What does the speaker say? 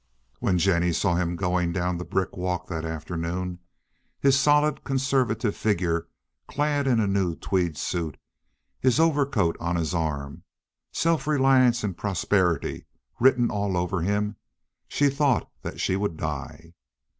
When Jennie saw him going down the brick walk that afternoon, his solid, conservative figure clad in a new tweed suit, his overcoat on his arm, self reliance and prosperity written all over him, she thought that she would die.